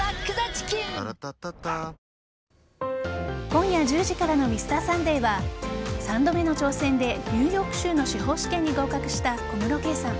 今夜１０時からの「Ｍｒ．サンデー」は３度目の挑戦でニューヨーク州の司法試験に合格した小室圭さん。